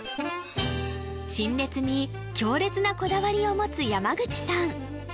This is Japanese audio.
陳列に強烈なこだわりを持つ山口さん